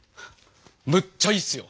むっちゃいいっすよ！